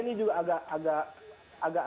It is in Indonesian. ini juga agak